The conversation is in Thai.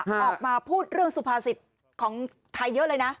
ออกมาพูดเรื่องสุภาษิตของไทยเยอะเลยนะ